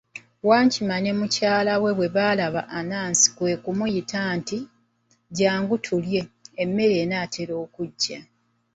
Wankima ne mukyala we bwe baalaba Anansi kwe kumuyita nti, jangu tulye, emmere enaatera okuggya.